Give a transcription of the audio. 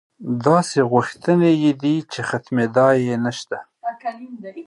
داسې غوښتنې یې دي چې ختمېدا یې نشته.